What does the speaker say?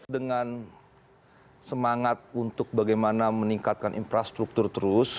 dengan semangat untuk bagaimana meningkatkan infrastruktur terus